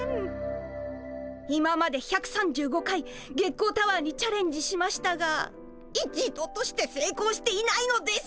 今まで１３５回月光タワーにチャレンジしましたが一度としてせいこうしていないのです。